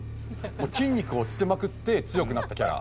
筋肉をつけまくって強くなったキャラ。